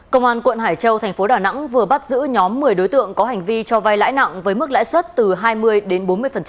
công an quận hải châu thành phố đà nẵng vừa bắt giữ nhóm một mươi đối tượng có hành vi cho vai lãi nặng với mức lãi suất từ hai mươi đến bốn mươi